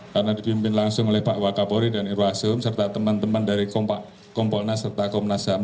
karena dipimpin langsung oleh pak wak kapolri dan irwasum serta teman teman dari kompolnas serta komnasaham